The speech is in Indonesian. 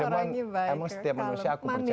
emang setiap manusia aku percaya